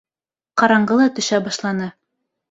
Ҡараңғы ла төшә башланы.